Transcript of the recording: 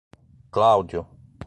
Cláudio